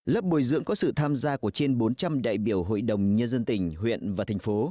lớp bồi dưỡng có sự tham gia của trên bốn trăm linh đại biểu hội đồng nhân dân tỉnh huyện và thành phố